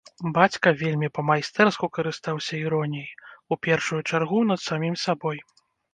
Бацька вельмі па-майстэрску карыстаўся іроніяй, у першую чаргу над самім сабой.